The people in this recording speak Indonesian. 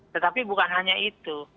tetapi bukan hanya itu